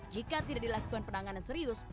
jika tidak dilakukan penanganan serius